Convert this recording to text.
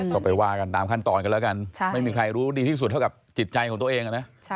ก็ไปว่ากันตามขั้นตอนกันแล้วกันไม่มีใครรู้ดีที่สุดเท่ากับจิตใจของตัวเองนะ